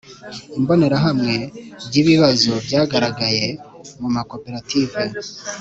Imbonerahamwe ry Ibibazo byagaragaye mu ma koperative